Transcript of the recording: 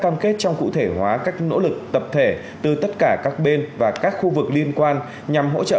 cam kết trong cụ thể hóa các nỗ lực tập thể từ tất cả các bên và các khu vực liên quan nhằm hỗ trợ